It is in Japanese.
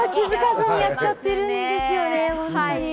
気づかずにやっちゃってるんですよね。